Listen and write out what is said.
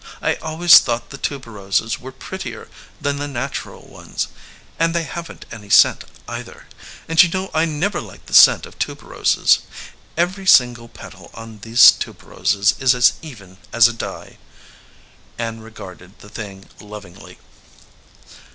I always thought the tuberoses were prettier than the natural ones, and they haven t any scent, either, and you know I never liked the scent of tube roses. Every single petal on these tuberoses is as even as a die." Ann regaided the thing lovingly.